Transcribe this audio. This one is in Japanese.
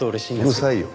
うるさいよ。